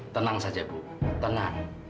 tenang saja bu tenang